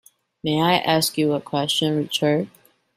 May I ask you a question, Richard?